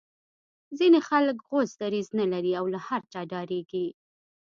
ځینې خلک غوڅ دریځ نه لري او له هر چا ډاریږي